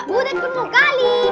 buatnya perlu kali